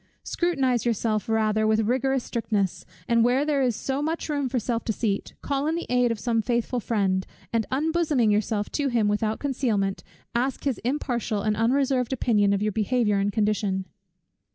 Scrutinize yourself rather with rigorous strictness; and where there is so much room for self deceit, call in the aid of some faithful friend, and unbosoming yourself to him without concealment, ask his impartial and unreserved opinion of your behaviour and condition.